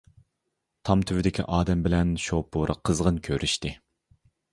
تام تۈۋىدىكى ئادەم بىلەن شوپۇر قىزغىن كۆرۈشتى.